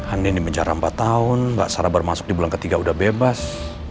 andien di menjara empat tahun gak sarah bermasuk di bulan ketiga udah bebas